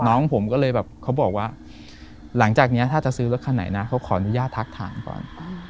น้องผมก็เลยแบบเขาบอกว่าหลังจากนี้ถ้าจะซื้อรถคันไหนนะเขาขออนุญาตทักถามก่อน